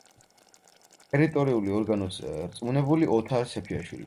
ტერიტორიული ორგანოს რწმუნებული ოთარ სეფიაშვილი.